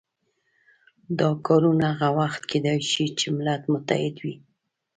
دا کارونه هغه وخت کېدای شي چې ملت متحد وي.